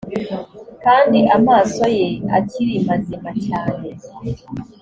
kandi amaso ye akiri mazima cyane